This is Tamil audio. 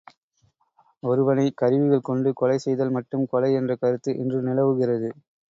ஒருவனை, கருவிகள் கொண்டு கொலை செய்தல் மட்டும் கொலை என்ற கருத்து இன்று நிலவுகிறது!